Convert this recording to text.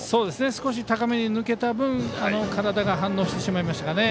少し高めに抜けた分体が反応してしまいましたかね。